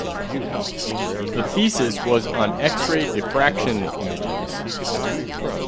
The thesis was on X-ray diffraction images.